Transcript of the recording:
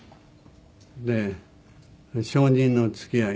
で小人の付き合い